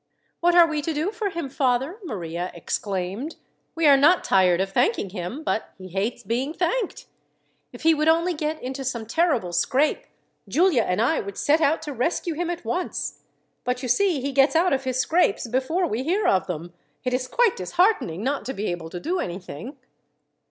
"What are we to do for him, father?" Maria exclaimed. "We are not tired of thanking him, but he hates being thanked. If he would only get into some terrible scrape, Giulia and I would set out to rescue him at once; but you see he gets out of his scrapes before we hear of them. It is quite disheartening not to be able to do anything."